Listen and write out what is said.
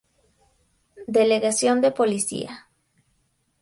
Delegación de Policía.